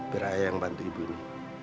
beraya yang bantu ibu ini